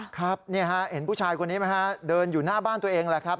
ครับเห็นผู้ชายคนนี้ไหมฮะเดินอยู่หน้าบ้านตัวเองแหละครับ